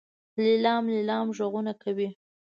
لیلام لیلام غږونه کوي.